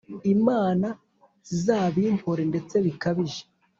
imana zizabimpore ndetse bikabije”